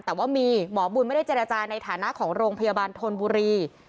แต่ว่ามีหมอบุญไม่ได้เจรจาในฐานะของโรงพยาบาลธนบุรี